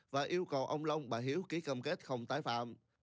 và yêu cầu ông long bà hiếu ký cam kết không tái phạm